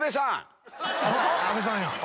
阿部さんや。